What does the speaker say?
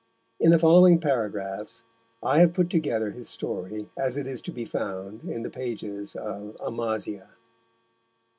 In the following paragraphs I have put together his story as it is to be found in the pages of Amasia.